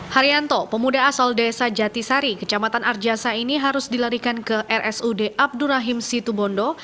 haryanto pemuda asal desa jatisari kecamatan arjasa ini harus dilarikan ke rsud abdurrahim situbondo